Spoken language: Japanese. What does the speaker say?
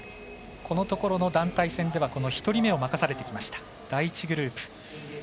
このところの団体戦では１人目を任されてきました、第１グループ。